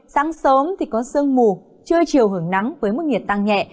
sáng sớm thì có sương mù trưa chiều hưởng nắng với mức nhiệt tăng nhẹ